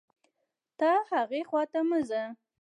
ته هاغې خوا ته مه ځه